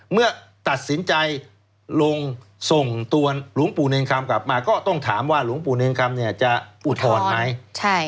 เมื่อตัดสินใจลงส่งตัวหลวงปู่เนรคำกลับมาก็ต้องถามว่าหลวงปู่เนรคำเนี่ยจะอุทธรณ์ไหม